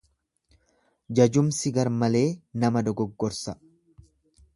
Jajumsi garmalee nama dogoggorsa.